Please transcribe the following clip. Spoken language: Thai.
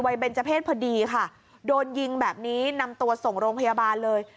เบนเจอร์เพศพอดีค่ะโดนยิงแบบนี้นำตัวส่งโรงพยาบาลเลย